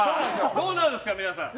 どうなんですか、皆さん。